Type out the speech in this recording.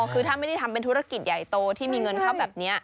คือถ้าไม่ได้ทำเป็นธุรกิจใหญ่โตที่มีเงินเข้าแบบนี้